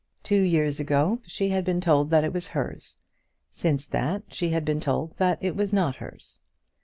Two years ago she had been told that it was hers; since that, she had been told that it was not hers.